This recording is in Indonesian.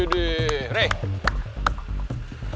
lu kenapa lu